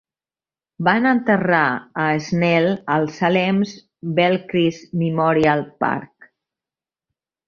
Van enterrar a Snell al Salem's Belcrest Memorial Park.